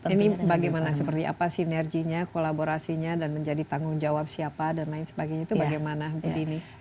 ini bagaimana seperti apa sinerginya kolaborasinya dan menjadi tanggung jawab siapa dan lain sebagainya itu bagaimana bu dini